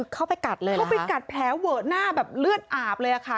เข้าไปกัดแผลเวอร์หน้าแบบเลือดอาบเลยค่ะ